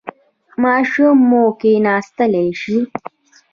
ماشوم مو کیناستلی شي؟